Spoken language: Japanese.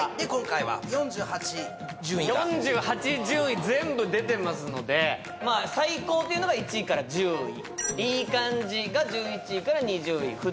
順位全部出てますので最高というのが１位から１０位いい感じが１１位から２０位